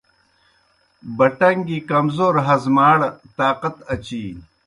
بٹَݩگ گیْ کمزور ہضماڑ طاقت اچِینیْ